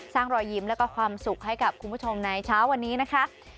รอยยิ้มแล้วก็ความสุขให้กับคุณผู้ชมในเช้าวันนี้นะคะ